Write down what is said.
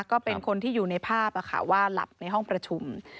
ก็เป็นคนที่อยู่ในภาพว่าหลับในห้องประชุม